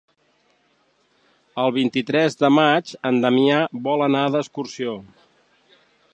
El vint-i-tres de maig en Damià vol anar d'excursió.